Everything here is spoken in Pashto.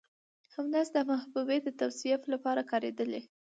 همداسې د محبوبې د توصيف لپاره کارېدلي